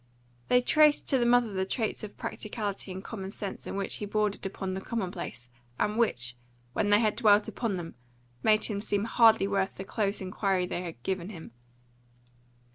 They traced to the mother the traits of practicality and common sense in which he bordered upon the commonplace, and which, when they had dwelt upon them, made him seem hardly worth the close inquiry they had given him.